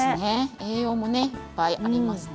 栄養もいっぱいありますね。